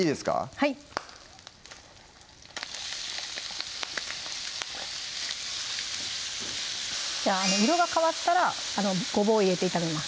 はいじゃあ色が変わったらごぼう入れて炒めます